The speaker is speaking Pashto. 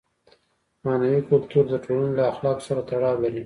معنوي کلتور د ټولنې له اخلاقو سره تړاو لري.